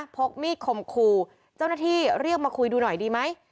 กมีดคมคู่เจ้าหน้าที่เรียกมาคุยดูหน่อยดีไหม